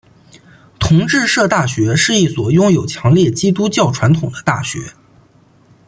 同志社大学是一所拥有强烈基督教传统的大学。